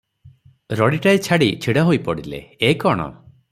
ରଡ଼ିଟାଏ ଛାଡ଼ି ଛିଡ଼ା ହୋଇପଡ଼ିଲେ, "ଏଁ କଣ?